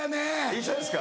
一緒ですか。